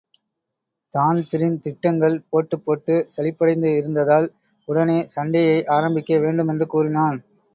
Dan Breen திட்டங்கள் போட்டுப் போட்டு சலிப்படைந்து இருந்ததால் உடனே சண்டையை ஆரம்பிக்க வேண்டுமென்று கூறினான்.